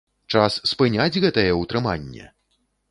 Час спыняць гэтае ўтрыманне!